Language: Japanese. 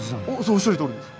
おっしゃるとおりです。